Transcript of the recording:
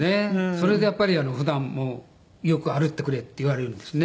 それでやっぱり普段も「よく歩いてくれ」って言われるんですね。